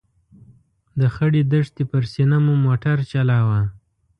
د خړې دښتې پر سینه مو موټر چلاوه.